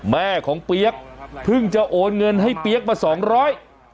แม่ของเปี๊ยกเพิ่งจะโอนเงินให้เปี๊ยกมาสองร้อย